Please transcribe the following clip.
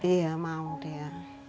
iya mau dia